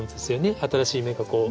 新しい芽がこう。